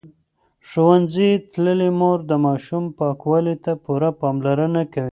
ښوونځې تللې مور د ماشوم پاکوالي ته پوره پاملرنه کوي.